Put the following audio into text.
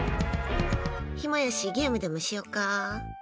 暇やしゲームでもしよか。